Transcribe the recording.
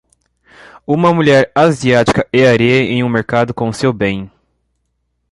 Uma mulher asiática e areia em um mercado com o seu bem.